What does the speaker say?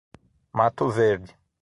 Mato Verde